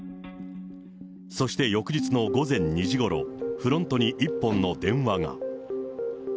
そして翌日の午前２時ごろ、フロントに一本の電話が。